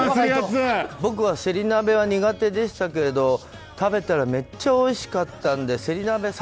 僕はせり鍋は苦手でしたけど食べたらめっちゃおいしかったんで長いわ！